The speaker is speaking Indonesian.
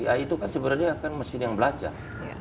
ya itu kan sebenarnya mesin yang belajar